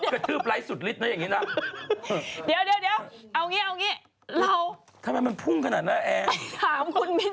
เขาจะให้ดูกล้าม